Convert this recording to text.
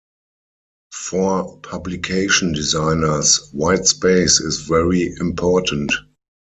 For publication designers, white space is very important.